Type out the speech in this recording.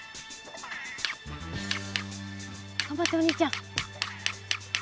がんばってお兄ちゃん。